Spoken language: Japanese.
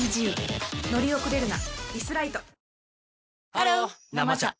ハロー「生茶」